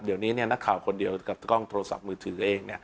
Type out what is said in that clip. เดี๋ยวนี้นักข่าวคนเดียวกับกล้องโทรศัพท์มือถือเอง